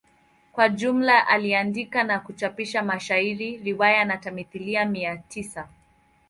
Kwa jumla aliandika na kuchapisha mashairi, riwaya na tamthilia mia tisa.